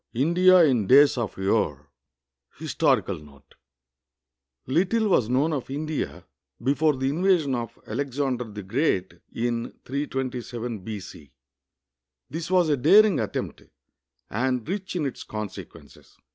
IV INDIA IN DAYS OF YORE HISTORICAL NOTE Little was known of India before the invasion of Alexander the Great, in 327 B.C. This was a daring attempt, and rich in its consequences.